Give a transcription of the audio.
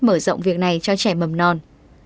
mở rộng việc này cho trẻ mầm non